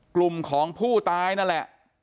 กลุ่มของผู้ตายนั่นแหละ